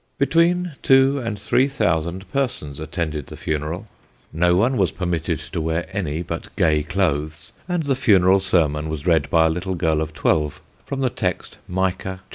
Between two and three thousand persons attended the funeral; no one was permitted to wear any but gay clothes; and the funeral sermon was read by a little girl of twelve, from the text, Micah vii.